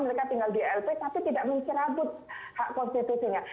mereka tinggal di lp tapi tidak mencerabut hak konstitusinya